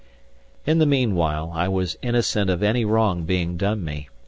In the meanwhile, I was innocent of any wrong being done me.